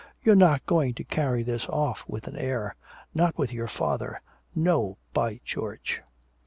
You're not going to carry this off with an air not with your father! No, by George!"